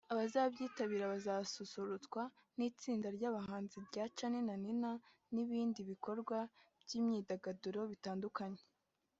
Abazabyitabira bazanasusurutswa n’itsinda ry’abahanzi rya Charly na Nina n’ibindi bikorwa by’imyidagaduro bitandukanye